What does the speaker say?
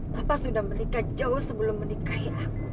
bapak sudah menikah jauh sebelum menikahi aku